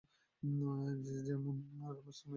যেমন রমেশ, তুমিও দেখি তেমনি।